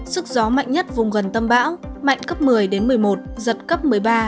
sức gió mạnh nhất vùng gần tâm bão mạnh cấp một mươi đến một mươi một giật cấp một mươi ba